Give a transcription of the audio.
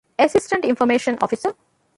އެެސިސްޓެންޓް އިންފޮމޭޝަން އޮފިސަރ